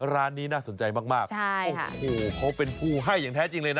ร้านนี้น่าสนใจมากโอ้โหเขาเป็นผู้ให้อย่างแท้จริงเลยนะ